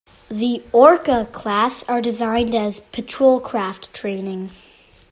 The "Orca" class are designated as "Patrol Craft Training".